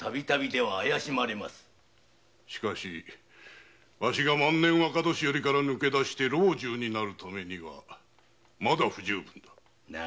しかしワシが万年若年寄りから抜け出し老中になるためにはまだ不十分だ。